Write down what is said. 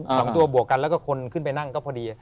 สองตัวบวกกันแล้วก็คนขึ้นไปนั่งก็พอดี